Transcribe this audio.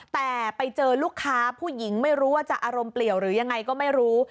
แต่ไปเจอลูกค้าผู้หญิงไม่รู้ว่าจะอารมณ์เปลี่ยวหรือยังไงก็ไม่รู้